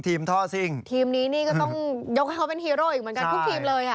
ทีมนี้ก็ต้องยกให้เขาเป็นฮีโร่อีกเหมือนกันทุกทีมเลย